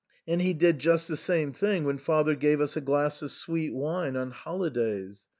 And he did just the same thing when father gave us a glass of sweet wine on holidays.